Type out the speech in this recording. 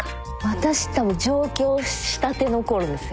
私多分上京したての頃ですよ。